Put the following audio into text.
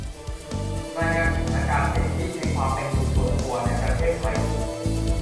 รายงานสถานการณ์สิทธิในความเป็นอยู่ส่วนตัวในประเทศไทย